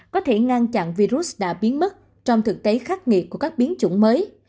có thể ngăn chặn virus đã biến mất trong thực tế khắc nghiệt của các biến chủng mới